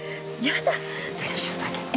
やだ。